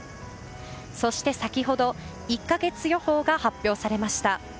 そして、先ほど１か月予報が発表されました。